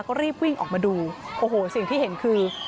ก็รีบวิ่งออกมาดูโอ้โหสิ่งที่เห็นคือ